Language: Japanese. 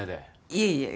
いえいえ